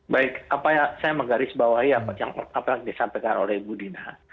baik apa yang saya menggarisbawahi apa yang disampaikan oleh ibu dina